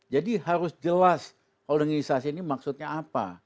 harus jelas holdingisasi ini maksudnya apa